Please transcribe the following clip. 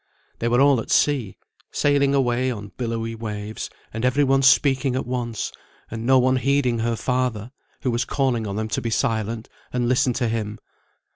They were all at sea, sailing away on billowy waves, and every one speaking at once, and no one heeding her father, who was calling on them to be silent, and listen to him.